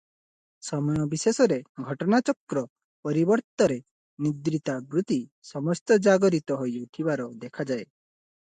ସମୟ ବିଶେଷରେ ଘଟନାଚକ୍ର ପରିବର୍ତ୍ତରେ ନିଦ୍ରିତା ବୃତ୍ତି ସମସ୍ତ ଜାଗରିତ ହୋଇ ଉଠିବାର ଦେଖାଯାଏ ।